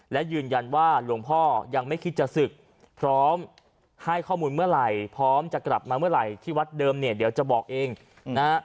และยืนยันว่าหลวงพ่อยังไม่คิดจะศึกพร้อมให้ข้อมูลเมื่อไหร่พร้อมจะกลับมาเมื่อไหร่ที่วัดเดิมเนี่ยเดี๋ยวจะบอกเองนะฮะ